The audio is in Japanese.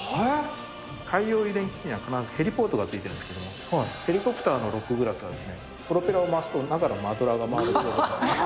海洋油田基地には必ずヘリポートがついているんですけども、ヘリコプターのロックグラスが、プロペラを回すと中のマドラーが回る。